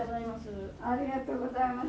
ありがとうございます。